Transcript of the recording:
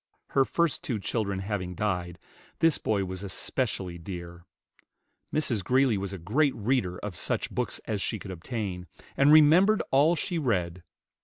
Her first two children having died, this boy was especially dear. Mrs. Greeley was a great reader of such books as she could obtain, and remembered all she read.